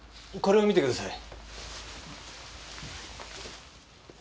これを見てください。